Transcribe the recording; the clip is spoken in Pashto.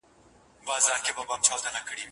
فرنګ به تر اورنګه پوري پل په وینو یوسي